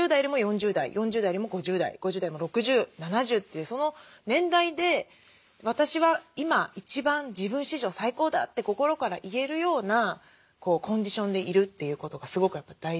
３０代よりも４０代４０代よりも５０代５０代より６０７０というその年代で私は今一番自分史上最高だって心から言えるようなコンディションでいるということがすごくやっぱり大事なんですよ。